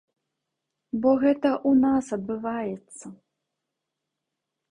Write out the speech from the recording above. Бо гэта ў нас адбываецца.